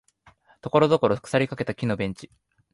ところどころ腐りかけた木のベンチ